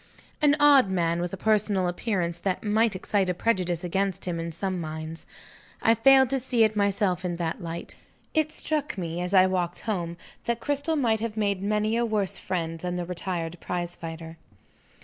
An odd man, with a personal appearance that might excite a prejudice against him, in some minds. I failed to see it myself in that light. It struck me, as I walked home, that Cristel might have made many a worse friend than the retired prize fighter.